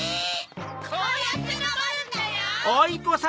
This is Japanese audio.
こうやってのぼるんだよ。